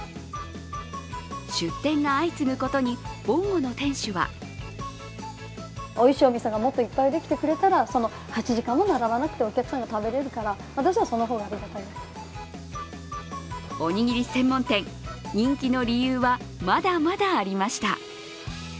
出店が相次ぐことに、ぼんごの店主はおにぎり専門店人気の理由はまだまだありました。